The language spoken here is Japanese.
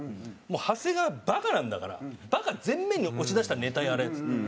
「もう長谷川バカなんだからバカ前面に押し出したネタやれ」っつって。